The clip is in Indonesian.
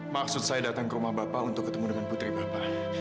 maksud saya datang ke rumah bapak untuk ketemu dengan putri bapak